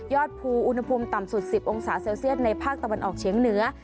ภูอุณหภูมิต่ำสุด๑๐องศาเซลเซียตในภาคตะวันออกเฉียงเหนือ